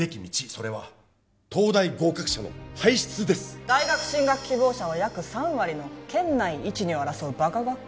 それは東大合格者の輩出です・大学進学希望者は約３割の県内一・二を争うバカ学校